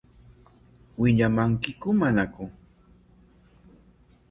¿Wiyamankiku manaku?